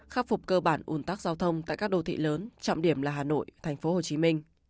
khắc phục cơ bản ủn tắc giao thông tại các đô thị lớn trọng điểm là hà nội tp hcm